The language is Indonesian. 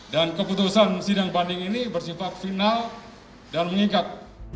dan keputusan sidang banding ini bersifat final dan mengingat